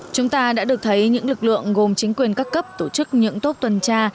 chúng ta đã được thấy những lực lượng gồm chính quyền các cấp tổ chức những tốt tuần tra